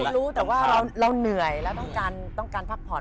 รู้แต่ว่าเราเหนื่อยแล้วต้องการพักผ่อน